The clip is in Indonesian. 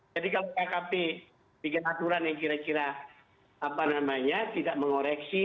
jadi kalau pkp bikin aturan yang kira kira tidak mengoreksi